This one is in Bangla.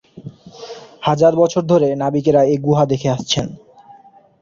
হাজার বছর ধরে নাবিকেরা এ গুহা দেখে আসছেন।